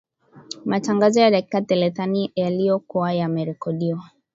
Matangazo ya dakika thelathini yaliyokuwa yamerekodiwa